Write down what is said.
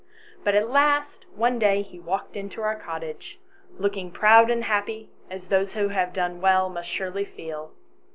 But at last one day he walked into our cottage, looking proud and happy, as those who have done well must surely feel.